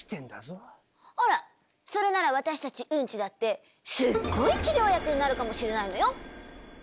あらそれなら私たちウンチだってスゴい治療薬になるかもしれないのよ。